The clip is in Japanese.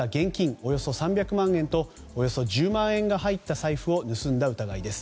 およそ３００万円とおよそ１０万円が入った財布を盗んだ疑いです。